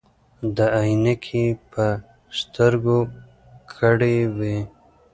ده عینکې په سترګو کړې وې.